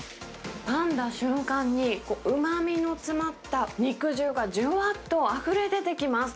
かんだ瞬間に、うまみの詰まった肉汁がじゅわっとあふれ出てきます。